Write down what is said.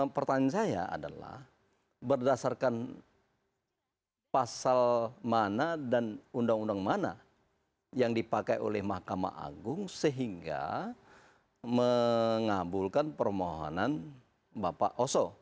pertanyaan saya adalah berdasarkan pasal mana dan undang undang mana yang dipakai oleh mahkamah agung sehingga mengabulkan permohonan bapak oso